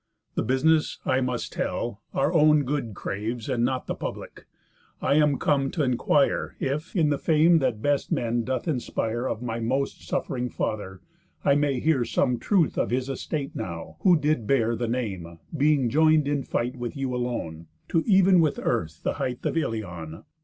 The business, I must tell, our own good craves, And not the public. I am come t' enquire, If, in the fame that best men doth inspire Of my most suff'ring father, I may hear Some truth of his estate now, who did bear The name, being join'd in fight with you alone, To even with earth the height of Ilion.